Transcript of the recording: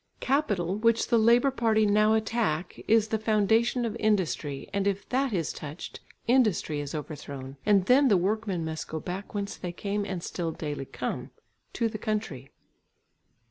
Capital, which the labour party now attack, is the foundation of industry and if that is touched, industry is overthrown, and then the workmen must go back whence they came and still daily come, to the country.